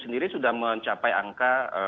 ini sudah mencapai angka